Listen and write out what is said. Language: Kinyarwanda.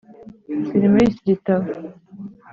Ziri muri iki gitabo